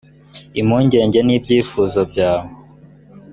impungenge n ibyifuzo byawe